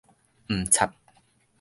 毋插